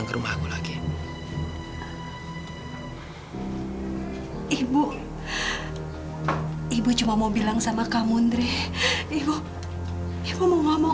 ibu gak peduli ibu mau dimarahin